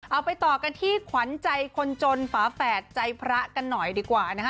เอาไปต่อกันที่ขวัญใจคนจนฝาแฝดใจพระกันหน่อยดีกว่านะฮะ